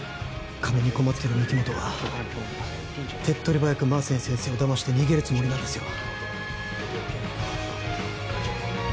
金に困ってる御木本は手っとり早く馬森先生をだまして逃げるつもりなんですよ